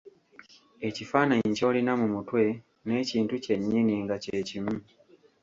Ekifaananyi ky'olina mu mutwe n'ekintu kyennyini nga kye kimu.